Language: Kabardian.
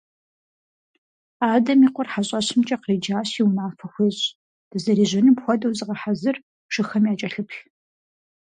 Адэм и къуэр хьэщӀэщымкӀэ къриджащи унафэ хуещӀ: – Дызэрежьэнум хуэдэу зыгъэхьэзыр, шыхэм якӀэлъыплъ.